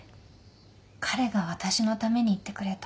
彼が私のために行ってくれた。